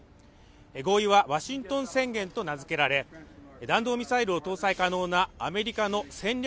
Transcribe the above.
合意はワシントン宣言と名付けられ、弾道ミサイルを搭載可能なアメリカの戦略